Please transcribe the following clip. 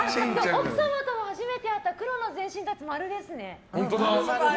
奥様と初めて会った黒の全身タイツ、○ですね。